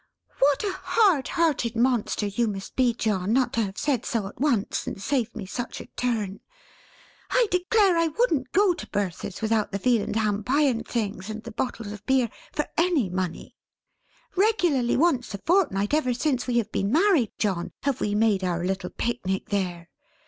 "What a hard hearted monster you must be, John, not to have said so, at once, and saved me such a turn! I declare I wouldn't go to Bertha's without the Veal and Ham Pie and things, and the bottles of Beer, for any money. Regularly once a fortnight ever since we have been married, John, have we made our little Pic Nic there.